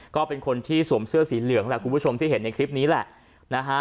ก็เป็นคนที่สวมเสื้อสีเหลืองแหละคุณผู้ชมที่เห็นในคลิปนี้แหละนะฮะ